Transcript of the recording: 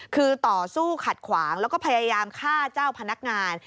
คือต่อสู้ขัดขวางแล้วก็พยายามฆ่าเจ้าพนักงาน